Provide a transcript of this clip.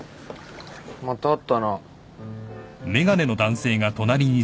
また会ったな。